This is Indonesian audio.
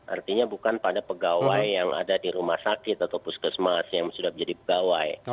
artinya bukan pada pegawai yang ada di rumah sakit atau puskesmas yang sudah menjadi pegawai